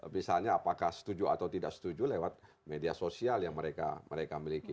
misalnya apakah setuju atau tidak setuju lewat media sosial yang mereka miliki